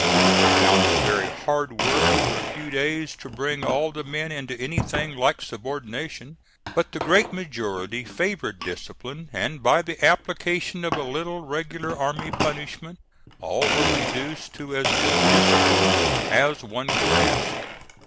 I found it very hard work for a few days to bring all the men into anything like subordination; but the great majority favored discipline, and by the application of a little regular army punishment all were reduced to as good discipline as one could ask.